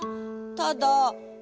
ただ。